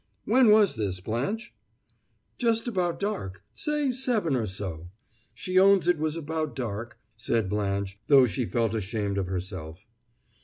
"When was this, Blanche?" "Just about dark say seven or so. She owns it was about dark," said Blanche, though she felt ashamed of herself.